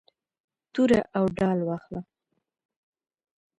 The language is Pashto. توره او ډال واخله.